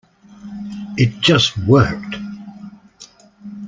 It just worked.